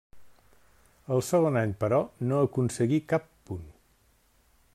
El segon any, però, no aconseguí cap punt.